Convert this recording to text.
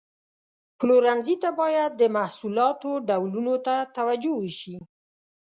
پلورنځي ته باید د محصولاتو ډولونو ته توجه وشي.